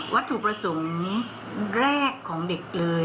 วัตถุประสงค์แรกของเด็กเลย